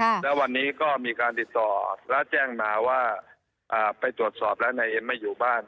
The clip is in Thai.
ค่ะแล้ววันนี้ก็มีการติดต่อแล้วแจ้งมาว่าอ่าไปตรวจสอบแล้วนายเอ็มไม่อยู่บ้าน